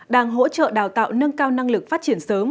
đang hỗ trợ đào tạo nâng cao năng lực phát triển sớm